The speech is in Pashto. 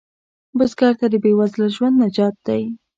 بزګر د بې وزله ژوند نجات دی